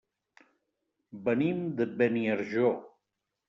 Venim de Beniarjó.